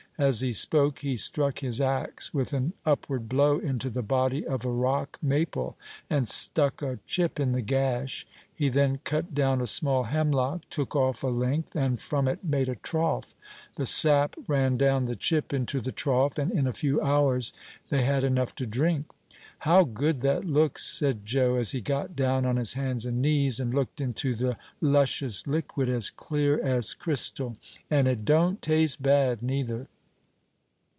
As he spoke, he struck his axe with an upward blow into the body of a rock maple, and stuck a chip in the gash; he then cut down a small hemlock, took off a length, and from it made a trough. The sap ran down the chip into the trough, and in a few hours they had enough to drink. "How good that looks!" said Joe, as he got down on his hands and knees, and looked into the luscious liquid, as clear as crystal; "and it don't taste bad, neither."